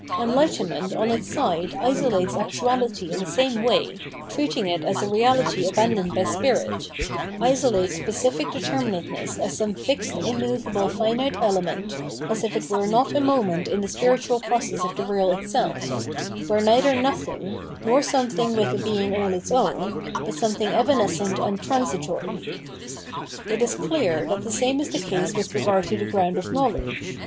Enlightenment on its side isolates actuality in the same way, treating it as a reality abandoned by spirit ; isolates specific determinateness as some fix; ed im movable finite element, as if it were not a moment in the spiritual process of the real itself, were neither nothing, nor something with a being aU its own, but RnTne thing evanescent and transitory. It is clear that the same is the case with regard to the ground of knowledge.